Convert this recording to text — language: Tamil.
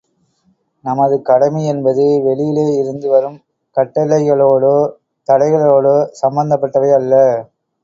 நமது கடமை என்பது, வெளியிலே இருந்து வரும் கட்டளைகளோடோ, தடைகளோடோ சம்பந்தப்பட்டவை அல்ல.